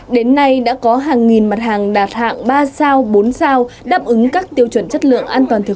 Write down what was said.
đến nay đã có hàng nghìn mặt hàng đạt hạng ba sao bốn sao đáp ứng các tiêu chuẩn chất lượng